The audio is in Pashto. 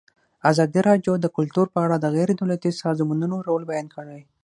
ازادي راډیو د کلتور په اړه د غیر دولتي سازمانونو رول بیان کړی.